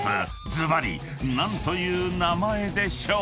［ずばり何という名前でしょう？］